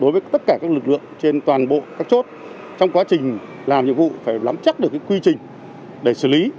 đối với tất cả các lực lượng trên toàn bộ các chốt trong quá trình làm nhiệm vụ phải lắm chắc được quy trình để xử lý